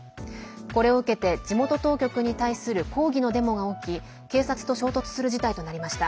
これを受けて、地元当局に対する抗議のデモが起き警察と衝突する事態となりました。